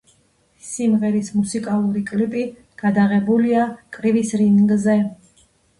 სიმღერის მუსიკალური კლიპი გადაღებულია კრივის რინგზე.